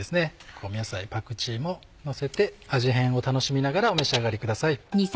香味野菜パクチーものせて味変を楽しみながらお召し上がりください。